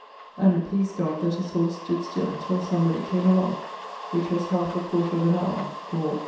and it pleased God that his horse stood still, till somebody came along, which was halfe a quarter of an hour or +.